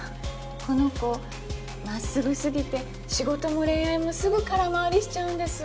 この子まっすぐすぎて仕事も恋愛もすぐ空回りしちゃうんです。